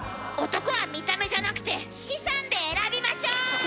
男は見た目じゃなくて資産で選びましょう！